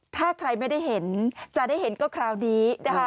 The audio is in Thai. ถ้าใครไม่ได้เห็นจะได้เห็นก็คราวนี้นะคะ